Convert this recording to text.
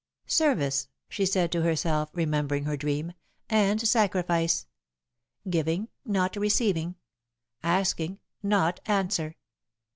"Service," she said to herself, remembering her dream, "and sacrifice. Giving, not receiving; asking, not answer."